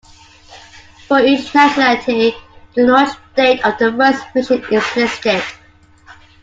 For each nationality, the launch date of the first mission is listed.